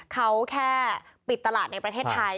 เขาแค่ปิดตลาดในประเทศไทย